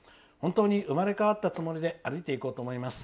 生まれ変わったつもりで歩いていこうと思います。